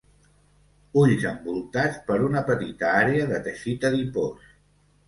Ulls envoltats per una petita àrea de teixit adipós.